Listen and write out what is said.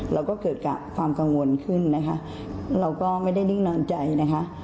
เราก็เกิดกับความกังวลขึ้นนะคะเราก็ไม่ได้นิ่งนอนใจนะคะ